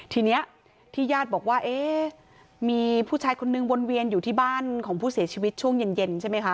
ทีนี้ที่ญาติบอกว่าเอ๊ะมีผู้ชายคนนึงวนเวียนอยู่ที่บ้านของผู้เสียชีวิตช่วงเย็นใช่ไหมคะ